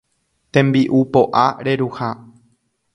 tembi'u po'a reruha